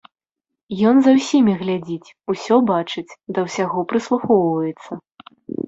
Ён за ўсімі глядзіць, усё бачыць, да ўсяго прыслухоўваецца.